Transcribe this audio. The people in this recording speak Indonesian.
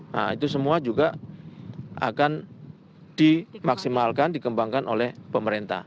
nah itu semua juga akan dimaksimalkan dikembangkan oleh pemerintah